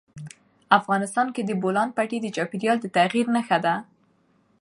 افغانستان کې د بولان پټي د چاپېریال د تغیر نښه ده.